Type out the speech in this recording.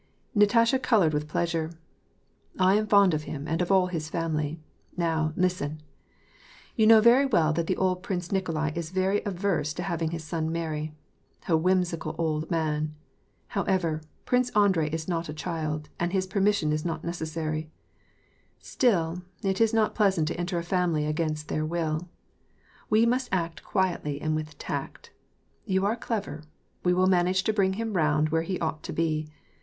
Natasha colored with pleasure. " I am fond of him and of all his family. Now, listen ! You know very well that the old Prince Nikolai is very averse to having his son marry. A whimsical old man ! However, Prince Andrei is not a child, and his permission is not necessary ; still, it is not pleasant to enter a family against their will. We must act quietly and with tact. You are clever ; we will manage to bring him round where he ought to be.